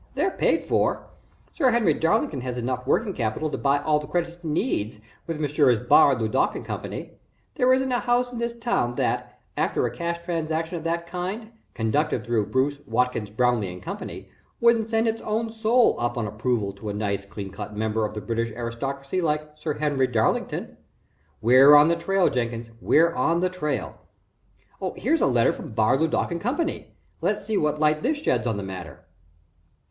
"They're paid for. Sir Henry Darlington has enough working capital to buy all the credit he needs with Messrs. Bar, LeDuc & Co. There isn't a house in this town that, after a cash transaction of that kind, conducted through Bruce, Watkins, Brownleigh & Co., wouldn't send its own soul up on approval to a nice, clean cut member of the British aristocracy like Sir Henry Darlington. We're on the trail, Jenkins we're on the trail. Here's a letter from Bar, LeDuc & Co. let's see what light that sheds on the matter."